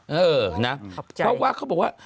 เพราะว่าเขาบอกว่า